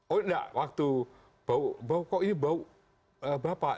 oh enggak waktu bau kok ini bau bapak